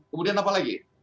kemudian apa lagi